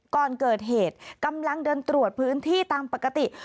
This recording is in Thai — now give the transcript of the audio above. ก่อนเกิดเหตุกำลังเดินตรวจพื้นที่ตามปกติ